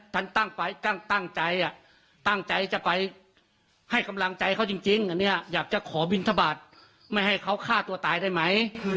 ตั้งใจตั้งใจจะไปให้กำลังใจเขาจริงอันนี้อยากจะขอบินทบาทไม่ให้เขาฆ่าตัวตายได้ไหม